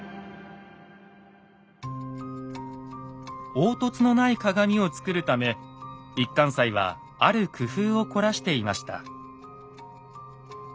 凹凸のない鏡を作るため一貫斎はある工夫を凝らしていました。